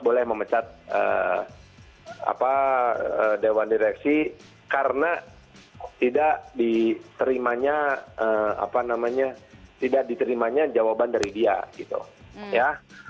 boleh memecat dewan direksi karena tidak diterimanya jawaban dari dia gitu ya